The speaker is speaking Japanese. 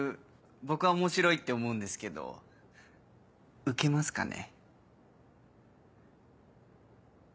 僕は面白いって思うんですけどウケますかね？